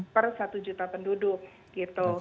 per satu juta penduduk